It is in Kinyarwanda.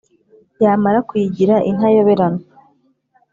yamara kuyigira intayoberana